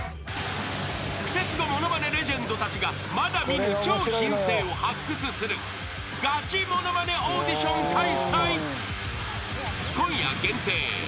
［クセスゴものまねレジェンドたちがまだ見ぬ超新星を発掘するがちものまねオーディション開催］